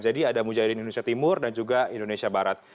jadi ada mujahidin indonesia timur dan juga indonesia barat